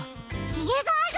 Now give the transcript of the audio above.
ひげがある。